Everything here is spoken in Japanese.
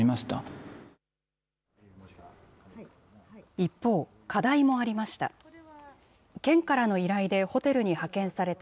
一方、課題もありました。